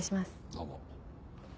どうも。